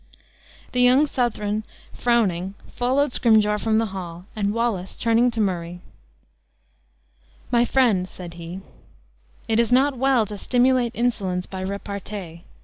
The young Southron, frowning, followed Scrymgeour from the hall, and Wallace, turning to Murray, "My friend," said he, "it is not well to stimulate insolence by repartee.